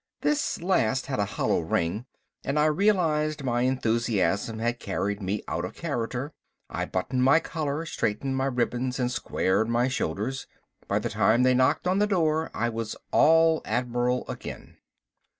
This last had a hollow ring, and I realized my enthusiasm had carried me out of character. I buttoned my collar, straightened my ribbons and squared my shoulders. By the time they knocked on the door I was all admiral again.